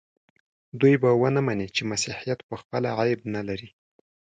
دوی به ونه مني چې مسیحیت پخپله عیب نه لري.